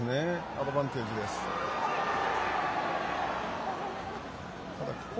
アドバンテージ、トンガ。